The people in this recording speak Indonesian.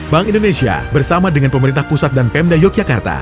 bank indonesia bersama dengan pemerintah pusat dan pemda yogyakarta